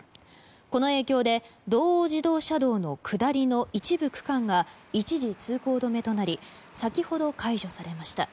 この影響で道央自動車道の下りの一部区間が一時通行止めとなり先ほど解除されました。